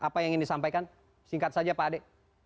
apa yang ingin disampaikan singkat saja pak ade